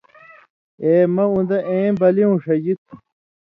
آں مہ اُن٘دہ ای بلیُوں ݜژی تُھو